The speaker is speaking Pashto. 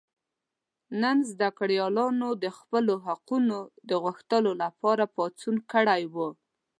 نن زده کړیالانو د خپلو حقونو د غوښتلو لپاره پاڅون کړی و.